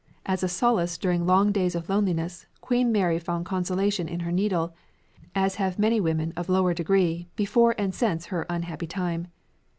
As a solace during long days of loneliness, Queen Mary found consolation in her needle, as have many women of lower degree before and since her unhappy time.